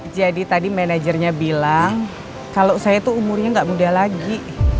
jadi tadi manajernya bilang kalau saya tuh umurnya gak muda lagi